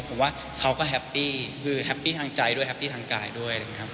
ผมว่าเขาก็แฮปปี้คือแฮปปี้ทางใจด้วยแฮปปี้ทางกายด้วยอะไรอย่างนี้ครับ